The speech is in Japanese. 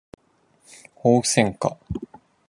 ホウセンカ